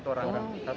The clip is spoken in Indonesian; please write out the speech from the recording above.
satu orang ya